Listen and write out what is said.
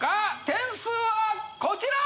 点数はこちら！